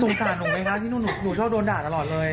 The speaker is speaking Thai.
สงสารหนูไหมคะที่หนูชอบโดนด่าตลอดเลย